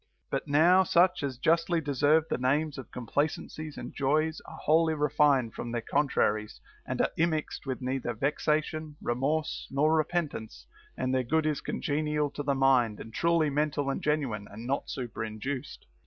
But now such as justly deserve the names of complacencies and joys are wholly refined from their con traries, and are immixed with neither vexation, remorse, nor repentance ; and their good is congenial to the mind and truly mental and genuine, and not superinduced.